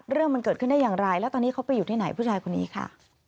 เรื่องมันเกิดขึ้นได้อย่างไรแล้วตอนนี้เขาไปอยู่ที่ไหนผู้ชายคนนี้ค่ะ